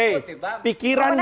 eh pikiran yang